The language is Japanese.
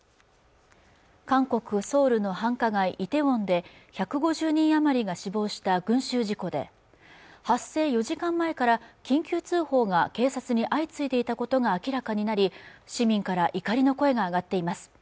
韓国ソウルの繁華街梨泰院で１５０人余りが死亡した群集事故で発生４時間前から緊急通報が警察に相次いでいたことが明らかになり市民から怒りの声が上がっています